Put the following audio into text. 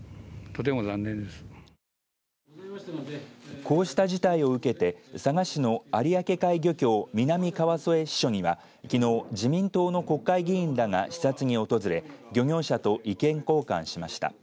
こうした事態を受けて佐賀市の有明海漁協南川副支所にはきのう自民党の国会議員らが視察に訪れ漁業者と意見交換しました。